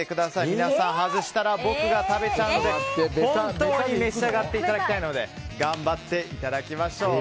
皆さん外したら僕が食べちゃうんで本当に召し上がっていただきたいので頑張っていただきましょう。